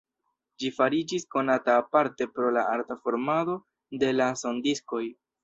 Ĝi fariĝis konata aparte pro la arta formado de la sondiskoj.